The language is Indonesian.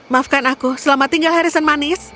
maafkan aku selama tinggal harrison manis